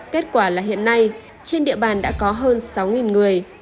kết quả là hiện nay trên địa bàn đã có hơn sáu người